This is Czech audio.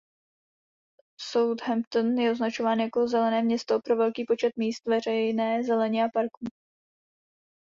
Southampton je označován jako "zelené město" pro velký počet míst veřejné zeleně a parků.